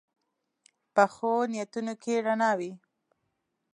پخو نیتونو کې رڼا وي